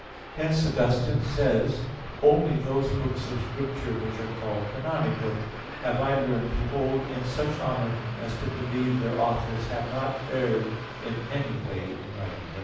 Hence Augustine says (Epis. ad Hieron. xix, 1): "Only those books of Scripture which are called canonical have I learned to hold in such honor as to believe their authors have not erred in any way in writing them.